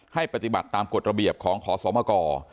ให้ปฏิบัติตามกฎระเบียบของขอสมก